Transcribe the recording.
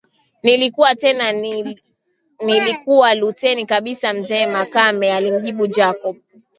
Nilikuwa tena nilikuwa luteni kabisa mzee makame alimjibu Jacob